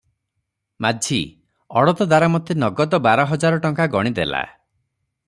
ମାଝି- ଅଡ଼ତଦାର ମତେ ନଗଦ ବାରହଜାର ଟଙ୍କା ଗଣିଦେଲା ।